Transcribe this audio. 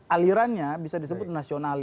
alirannya bisa disebut nasionalis